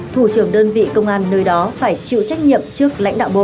thủ trưởng đơn vị công an nơi đó phải chịu trách nhiệm trước lãnh đạo bộ